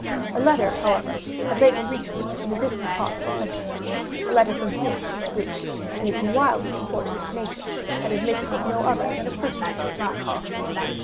A letter, however, had lately reached me in a distant part of the country—a letter from him—which, in its wildly importunate nature, had admitted of no other than a personal reply.